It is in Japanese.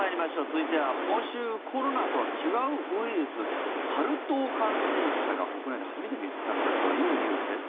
続いては今週、コロナとは違うウイルスサル痘感染者が国内で初めて見つかったというニュースです。